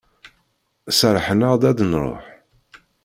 Serrḥen-aɣ-d ad d-nruḥ.